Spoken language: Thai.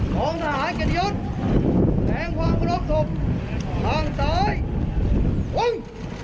ของทหารกิตยศแหลงความเคารพศพข้างซ้อยวง